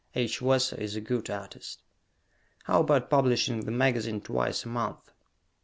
H. Wesso is a good artist. How about publishing the magazine twice a month?